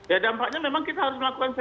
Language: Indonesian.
ya dampaknya memang kita harus melakukan sesuatu